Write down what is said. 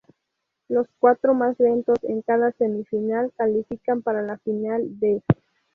Los cuatros más lentos en cada semifinal califican para la final "B".